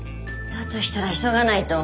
だとしたら急がないと。